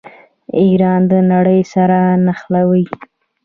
ایران د نړۍ سره نښلوي.